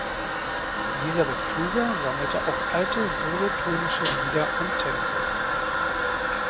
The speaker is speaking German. Elisabeth Pfluger sammelte auch alte solothurnische Lieder und Tänze.